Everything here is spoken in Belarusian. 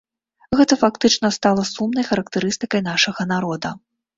Гэта фактычна стала сумнай характарыстыкай нашага народа.